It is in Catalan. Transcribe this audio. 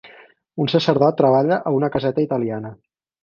Un sacerdot treballa a una caseta italiana.